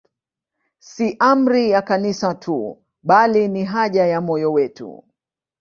Si amri ya Kanisa tu, bali ni haja ya moyo wetu.